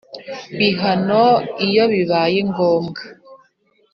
bihano iyo bibaye ngombwa